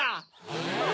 え？